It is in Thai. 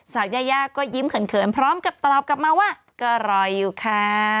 ยายาก็ยิ้มเขินพร้อมกับตอบกลับมาว่าก็อร่อยอยู่ค่ะ